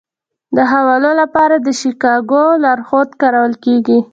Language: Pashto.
د حوالو لپاره د شیکاګو لارښود کارول کیږي.